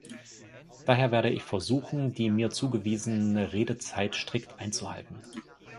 Daher werde ich versuchen, die mir zugewiesene Redezeit strikt einzuhalten.